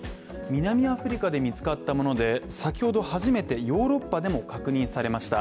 南アフリカで見つかったもので、先ほど初めてヨーロッパでも確認されました。